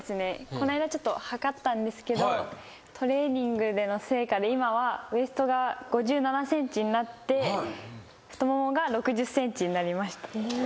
この間ちょっと測ったんですけどトレーニングでの成果で今はウエストが５７ｃｍになって太ももが６０ｃｍになりました。